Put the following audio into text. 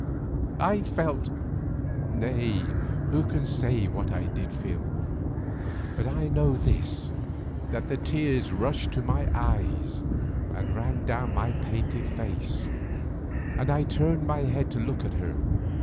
I felt—nay, who can say what I did feel? But I know this, that the tears rushed to my eyes and ran down my painted face, and I turned my head to look at her.